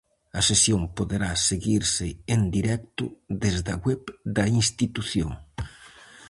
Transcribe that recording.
A sesión poderá seguirse en directo desde a web da institución.